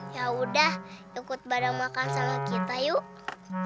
yaudah ikut bareng makan sama kita yuk